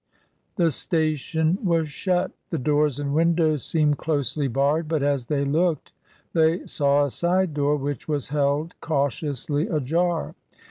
'' The station was shut, the doors and windows seemed closely barred, but as they looked they saw a side door which was held cautiously ajar.